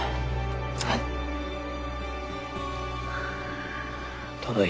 はい。